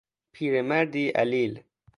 پیرمردی علیل